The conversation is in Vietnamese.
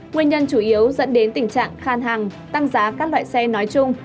nguyên nhân chủ yếu dẫn đến tình trạng khan hàng tăng giá các loại xe nói chung